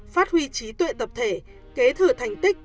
phát huy trí tuệ tập thể kế thừa thành tích